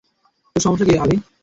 তোর সমস্যা কি, আভি?